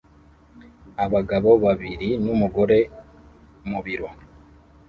Abagabo babiri n'umugore mu biro